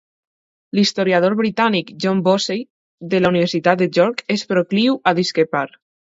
L'historiador britànic John Bossy, de la Universitat de York, és procliu a discrepar.